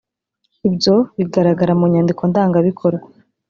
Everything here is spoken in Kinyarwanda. ibyo bigaragara mu nyandiko ndangabikorwa